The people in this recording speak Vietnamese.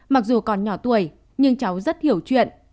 mặc dù còn nhỏ tuổi nhưng cháu rất hiểu chuyện